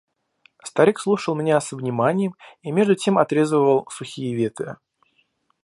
Старик слушал меня со вниманием и между тем отрезывал сухие ветви.